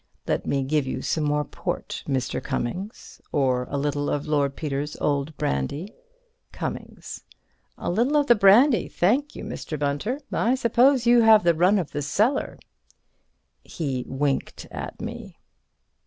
Let me give you some more port, Mr. Cummings. Or a little of Lord Peter's old brandy. Cummings: A little of the brandy, thank you, Mr. Bunter. I suppose you have the run of the cellar here. (He winked at me.)